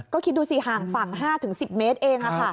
ก็คิดดูสิห่างฝั่ง๕๑๐เมตรเอง